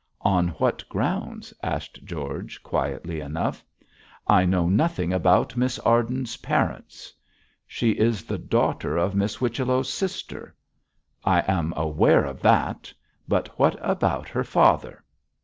'On what grounds?' asked George, quietly enough. 'I know nothing about Miss Arden's parents.' 'She is the daughter of Miss Whichello's sister.' 'I am aware of that, but what about her father?'